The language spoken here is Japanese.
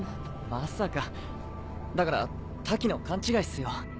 まさかだから瀧の勘違いっすよ。